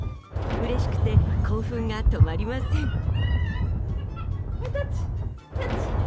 うれしくて興奮が止まりません。